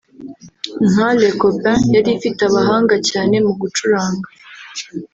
nka ‘Les Copins’ yari ifite abahanga cyane mu gucuranga